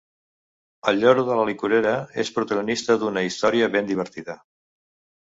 El lloro de la licorera és protagonista d’una història ben divertida.